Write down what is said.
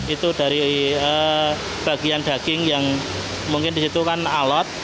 itu dari bagian daging yang mungkin disitu kan alot